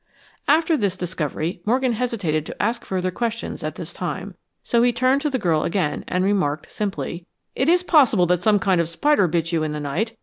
After this discovery, Morgan hesitated to ask further questions at this time, so he turned to the girl again and remarked, simply, "It is possible that some kind of spider bit you in the night.